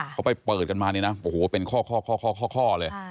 เขาไปเปิดกันมาเนี่ยนะโอ้โหเป็นข้อเลย